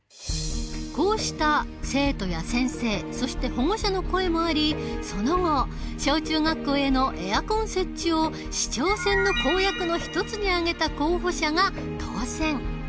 こうした生徒や先生そして保護者の声もありその後小中学校へのエアコン設置を市長選の公約の一つに挙げた候補者が当選。